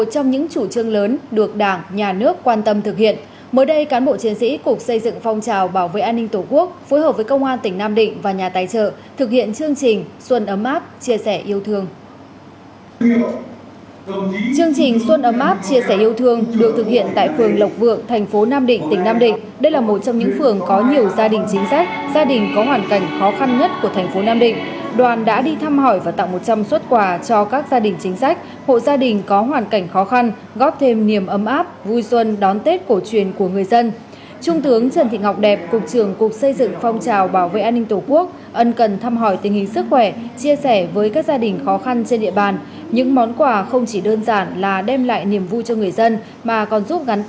trung tướng trần thị ngọc đẹp cục trưởng cục xây dựng phong trào bảo vệ an ninh tổ quốc ân cần thăm hỏi tình hình sức khỏe chia sẻ với các gia đình khó khăn trên địa bàn